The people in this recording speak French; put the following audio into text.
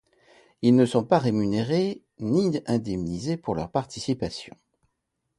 Ils ne sont pas rémunérés ni indemnisés pour leur participation.